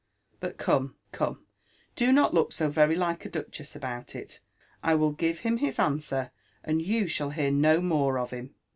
But come, come, do not look so very like a duchess about it. I will give him his answer, and you shall hear no more of him."